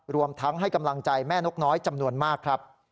รวมทั้งให้กำลังใจแม่นกน้อยจำนวนมากครับ